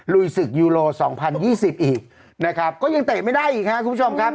ลุยศึกยูโร๒๐๒๐อีกนะครับก็ยังเตะไม่ได้อีกครับคุณผู้ชมครับ